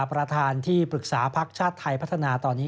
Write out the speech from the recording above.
ประธานที่ปรึกษาพักชาติไทยพัฒนาตอนนี้